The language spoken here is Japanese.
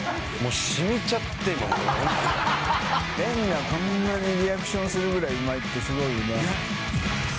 蓮がこんなにリアクションするぐらいうまいってスゴいよね